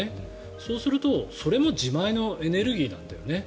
そうすると、それも自前のエネルギーなんだよね。